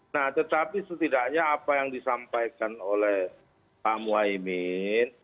nah tetapi setidaknya apa yang disampaikan oleh pak muhaymin